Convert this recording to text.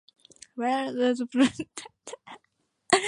Tanítólúwa àti Ọrẹolúwa ti pàdé ara wọn ní ìlú ọba